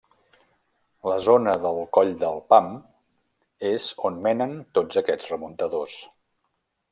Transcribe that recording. La zona del Coll del Pam és on menen tots aquests remuntadors.